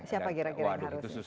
siapa kira kira yang harus